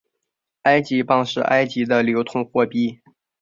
埃及镑是埃及的流通货币。